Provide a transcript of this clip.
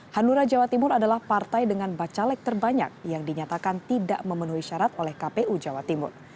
hanura jawa timur adalah partai dengan bacalek terbanyak yang dinyatakan tidak memenuhi syarat oleh kpu jawa timur